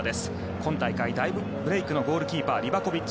今大会大ブレークのゴールキーパー、リバコビッチ。